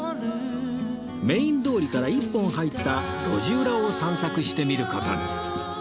メイン通りから一本入った路地裏を散策してみる事に